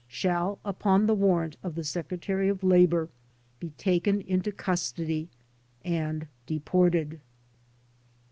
. shall, upon the warrant of the Secretary of Labor, be taken into custody and deported